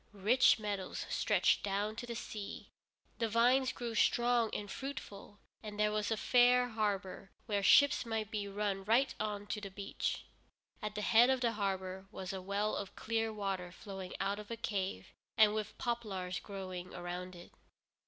Rich meadows stretched down to the sea, the vines grew strong and fruitful, and there was a fair harbor where ships might be run right on to the beach. At the head of the harbor was a well of clear water flowing out of a cave, and with poplars growing around it.